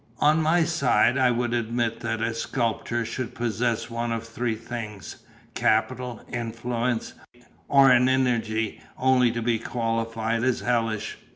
On my side, I would admit that a sculptor should possess one of three things capital, influence, or an energy only to be qualified as hellish.